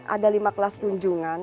ada lima kelas kunjungan